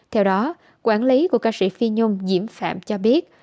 theo đó quản lý của ca sĩ phi nhôm diễm phạm cho biết